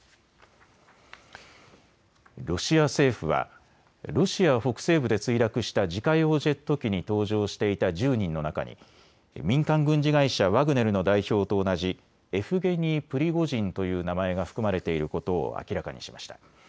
ロシア政府はロシア北西部で墜落した自家用ジェット機に搭乗していた１０人の中に民間軍事会社、ワグネルの代表と同じエフゲニー・プリゴジンという名前が含まれていることを明らかにしました。